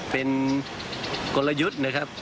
เป็นกลยุทธ์นะครับ